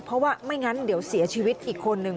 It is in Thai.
เพราะว่าไม่งั้นเดี๋ยวเสียชีวิตอีกคนนึง